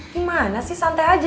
gimana sih santai aja